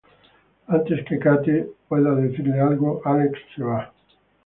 Antes que Kate pueda decirle algo, Alex se va.